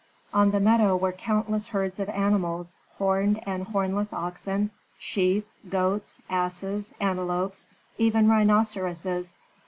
On the meadow were countless herds of animals, horned and hornless oxen, sheep, goats, asses, antelopes, even rhinoceroses.